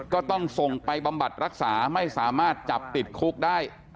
ก็ต้องส่งไปบำบัดรักษาไม่สามารถจับติดคุกได้